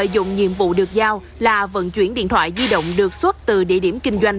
điện thoại di động được xuất từ địa điểm kinh doanh